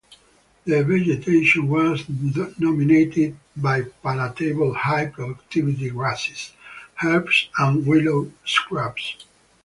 The vegetation was dominated by palatable high-productivity grasses, herbs and willow shrubs.